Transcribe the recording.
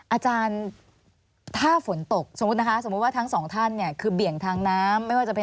อาจารย์ถ้าฝนตกสมมุตินะคะสมมุติว่าทั้งสองท่านเนี่ยคือเบี่ยงทางน้ำไม่ว่าจะเป็น